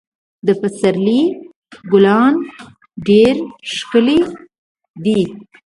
د پسرلي ګلان ډېر ښکلي دي.